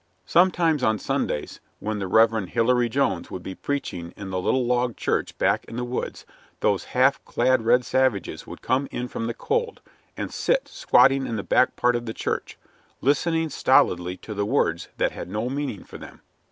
Sometimes on Sundays, when the Rev. Hillary Jones would be preaching in the little log church back in the woods, these half clad red savages would come in from the cold, and sit squatting in the back part of the church, listening stolidly to the words that had no meaning for them.